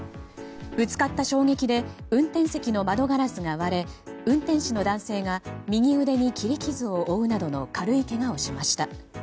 ぶつかった衝撃で運転席の窓ガラスが割れ運転士の男性が右腕に切り傷を負うなどの軽いけがをしました。